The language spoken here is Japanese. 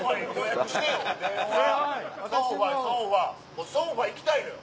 もうソンファ行きたいのよ。